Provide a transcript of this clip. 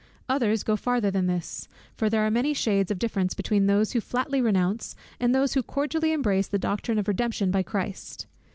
Others go farther than this; for there are many shades of difference between those who flatly renounce, and those who cordially embrace the doctrine of Redemption by Christ.